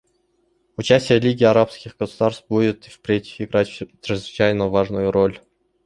Участие Лиги арабских государств будет и впредь играть чрезвычайно важную роль.